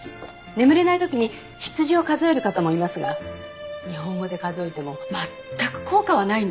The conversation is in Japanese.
眠れない時に羊を数える方もいますが日本語で数えても全く効果はないんですよ。